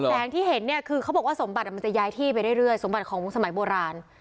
แสงที่เห็นเนี่ยคือเขาบอกว่าสมบัติมันจะย้ายที่ไปเรื่อยสมบัติของวงสมัยโบราณ